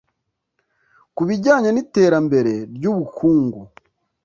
Ku bijyanye n’iterambere ry’ubukungu